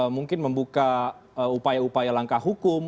mungkin membuka upaya upaya langkah hukum